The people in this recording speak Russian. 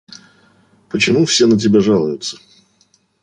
Почему все на тебя жалуются?